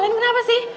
aduh kalian kenapa sih